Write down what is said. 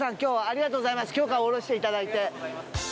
許可下ろしていただいて。